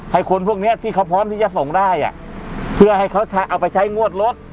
ให้คนพวกเนี้ยที่เขาพร้อมที่จะส่งได้อ่ะเพื่อให้เขาเอาไปใช้งวดรถ